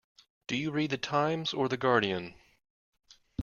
Do you read The Times or The Guardian?